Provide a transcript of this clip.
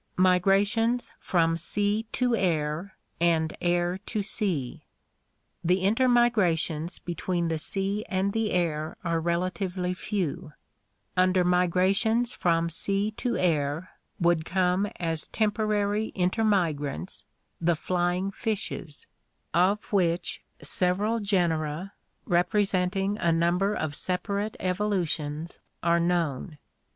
Migrations from Sea to Air and Air to Sea. — The intermigra tions between the sea and the air are relatively few. Under migra BATHYMETRIC DISTRIBUTION 81 tk>ns from sea to air would come as temporary intermigrants the flying fishes, of which several genera, representing a number of separate evolutions, are known.